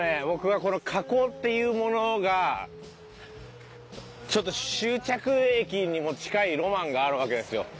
僕はこの河口っていうものがちょっと終着駅にも近いロマンがあるわけですよ。